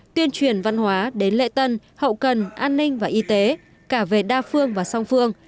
tuyên truyền văn hóa đến lệ tân hậu cần an ninh và y tế cả về đa phương và song phương